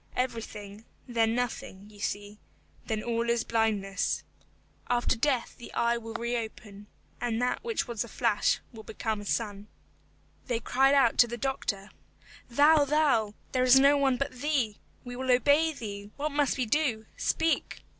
Everything, then nothing; you see, then all is blindness. After death the eye will reopen, and that which was a flash will become a sun. They cried out to the doctor, "Thou, thou, there is no one but thee. We will obey thee, what must we do? Speak."